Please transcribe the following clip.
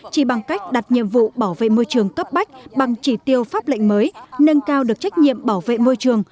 chỉ bằng cách đặt nhiệm vụ bảo vệ môi trường cấp bách bằng chỉ tiêu pháp lệnh mới nâng cao được trách nhiệm bảo vệ môi trường